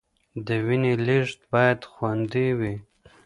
د وینې لیږد باید خوندي وي.